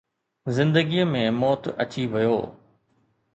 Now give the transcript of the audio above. زندگيءَ ۾ موت اچي ويو